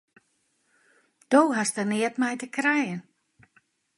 Do hast der neat mei te krijen!